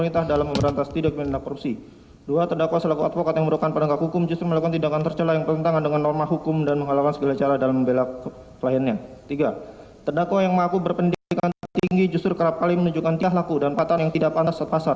tiga terdakwa yang mengaku berpendidikan tinggi justru kerap kali menunjukkan tiah laku dan patan yang tidak pantas set pasar